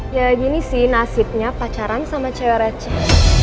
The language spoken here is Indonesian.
ya gini sih nasibnya pacaran sama cewek receh